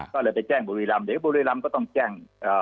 ก็เลยไปแจ้งบุรีรำเดี๋ยวบุรีรำก็ต้องแจ้ง